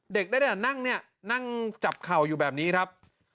เด็กได้แต่นั่งเนี่ยนั่งจับเข่าอยู่แบบนี้ครับ